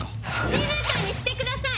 静かにしてください！